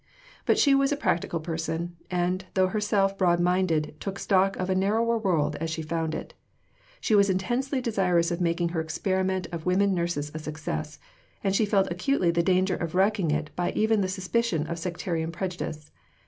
But she was a practical person, and, though herself broad minded, took stock of a narrower world as she found it. She was intensely desirous of making her experiment of woman nurses a success, and she felt acutely the danger of wrecking it by even the suspicion of sectarian prejudice.